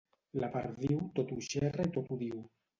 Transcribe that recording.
La perdiu tot ho xerra i tot ho diu.